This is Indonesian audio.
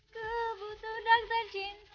ku butuh dokter cinta